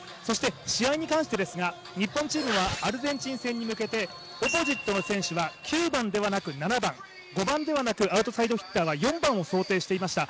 試合に関してですが日本チームはアルゼンチン戦に向けて、オポジットの選手は９番ではなく７番５番ではなく、アウトサイドヒッターは４番を想定していました。